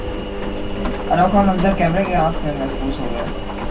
انوکھا منظر کیمرے کی آنکھ میں محفوظ ہوگیا